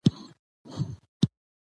د دې ډول ازمیښت